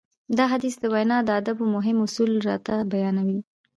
دا حديث د وينا د ادابو مهم اصول راته بيانوي.